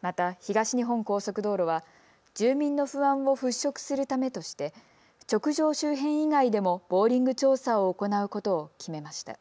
また東日本高速道路は住民の不安を払拭するためとして直上周辺以外でもボーリング調査を行うことを決めました。